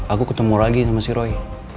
aku ketemu lagi sama si roy